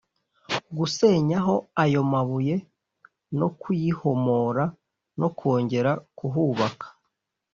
gusenyaho ayo mabuye no kuyihomora no kongera kuhubaka